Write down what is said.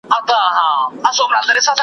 اسوېلي به زیاتي نه لرم په خوله کي .